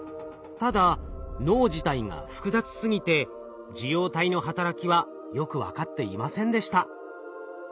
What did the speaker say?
ただ脳自体が複雑すぎて受容体の働きはよく分かっていませんでした。